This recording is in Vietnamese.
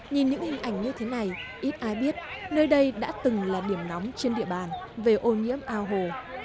nhìn những hình ảnh như thế này ít ai biết nơi đây đã từng là điểm nóng trên địa bàn về ô nhiễm ao hồ